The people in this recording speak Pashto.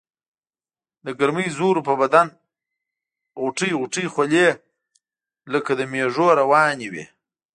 دګرمۍ زور وو پۀ بدن غوټۍ غوټۍ خولې لکه د مېږو روانې وي ـ